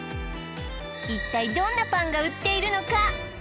一体どんなパンが売っているのか？